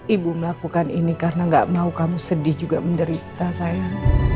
ibu melakukan ini karena gak mau kamu sedih juga menderita sayang